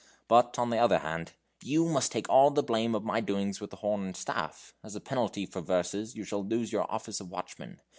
But, on the other hand, YOU must take all the blame of my doings with the horn and staff. As a penalty for verses, you shall lose your office of watchman.